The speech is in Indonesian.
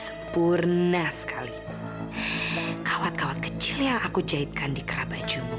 sempurna sekali kawat kawat kecil yang aku jahitkan di kerabajumu